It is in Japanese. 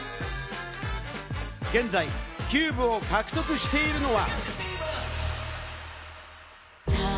現在キューブを獲得しているのは。